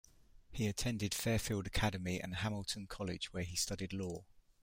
He attended Fairfield Academy and Hamilton College, where he studied law.